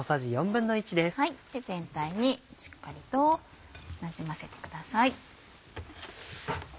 全体にしっかりとなじませてください。